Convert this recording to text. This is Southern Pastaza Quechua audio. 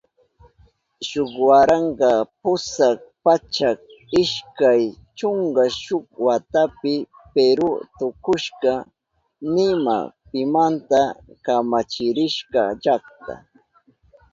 Shuk waranka pusak pachak ishkay chunka shuk watapi Peru tukushka nima pimanta kamachirishka llakta.